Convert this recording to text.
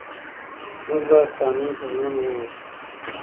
موږ باید قانون ته ژمن واوسو